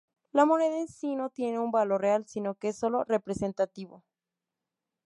La moneda en sí no tiene un valor real, sino que es solo representativo.